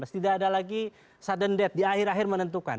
tidak ada lagi sudden death di akhir akhir menentukan